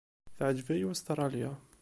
Teɛǧeb-iyi Ustṛalya.